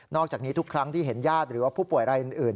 อกจากนี้ทุกครั้งที่เห็นญาติหรือว่าผู้ป่วยอะไรอื่น